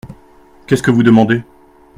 Qu’est-ce que vous demandez ?